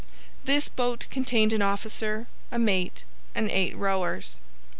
This boat contained an officer, a mate, and eight rowers.